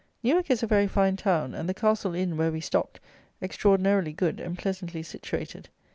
Newark is a very fine town, and the Castle Inn, where we stopped, extraordinarily good and pleasantly situated.